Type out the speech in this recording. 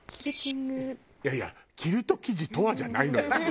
いやいや「キルト生地とは？」じゃないのよ。